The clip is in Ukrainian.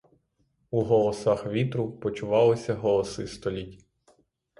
У голосах вітру вчувалися голоси століть.